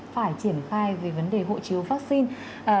phải triển khai về vấn đề hộ chiếu vaccine